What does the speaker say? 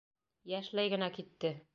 Йәшләй генә китте.